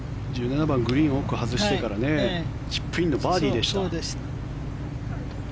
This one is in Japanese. １７番グリーン奥外してからチップインのバーディーでした。